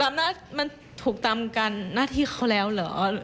มันถูกตามการหน้าที่เขาแล้วเหรอ